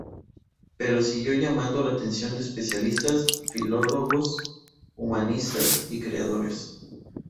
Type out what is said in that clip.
Pero siguió llamando la atención de especialistas, filólogos, humanistas y creadores.